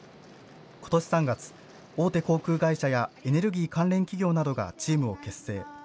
ことし３月、大手航空会社やエネルギー関連企業などがチームを結成。